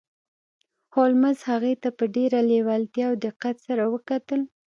هولمز هغې ته په ډیره لیوالتیا او دقت سره وکتل